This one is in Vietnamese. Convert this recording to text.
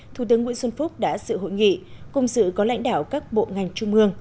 thủ tướng nguyễn xuân phúc đã sự hội nghị cùng sự có lãnh đạo các bộ ngành trung ương